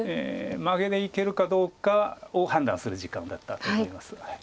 マゲでいけるかどうかを判断する時間だったと思います。